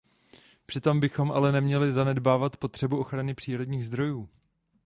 Přitom bychom ale neměli zanedbávat potřebu ochrany přírodních zdrojů.